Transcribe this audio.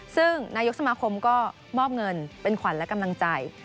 ซึ่งนายกสมาคมก็มอบเงินเป็นขวัญและกำลังใจ